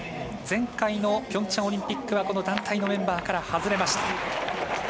前回のピョンチャンオリンピックはこの団体のメンバーから外れました。